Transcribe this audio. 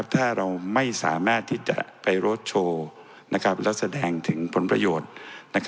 ถ้าเราไม่สามารถที่จะไปรถโชว์และแสดงถึงผลประโยชน์